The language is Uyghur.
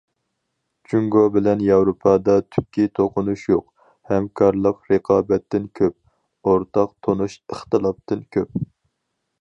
جۇڭگو بىلەن ياۋروپادا تۈپكى توقۇنۇش يوق، ھەمكارلىق رىقابەتتىن كۆپ، ئورتاق تونۇش ئىختىلاپتىن كۆپ.